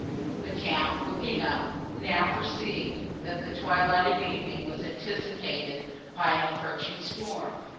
The count, looking up, now perceived, that the twilight of evening was anticipated by an approaching storm.